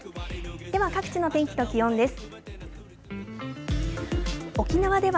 では各地の天気と気温です。